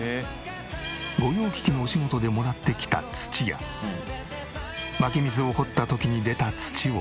御用聞きのお仕事でもらってきた土や湧き水を掘った時に出た土を。